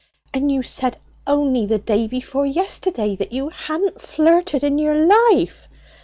"And you said only the day before yesterday that you hadn't flirted in your life!"